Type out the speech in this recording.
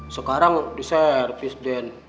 sekarang diservis den